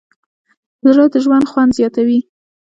زړه د ژوند خوند زیاتوي.